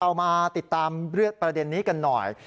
เอามาติดตามประเด็นนี้กันหน่อย